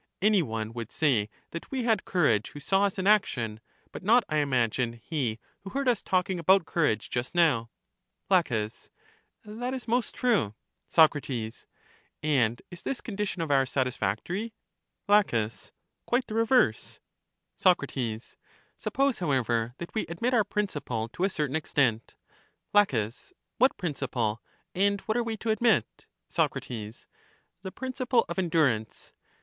Any one would say that we had courage who saw us in action, but not, I imagine, he who heard us talking about coiu*age just now. La, That is most true. Soc, And is this condition of ours satisfactory? La, Quite the reverse. Soc, Suppose, however, that we admit our princi ple to a certain extent. La, What principle? And what are we to admit? Soc, The principle of endurance.